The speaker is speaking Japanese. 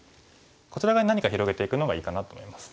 こちら側に何か広げていくのがいいかなと思います。